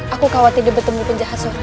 aku khawatir dia bertemu penjahat seorang diri